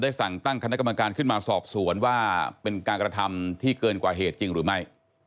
สั่งตั้งคณะกรรมการขึ้นมาสอบสวนว่าเป็นการกระทำที่เกินกว่าเหตุจริงหรือไม่